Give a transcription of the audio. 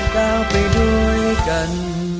ก้าวไปด้วยกัน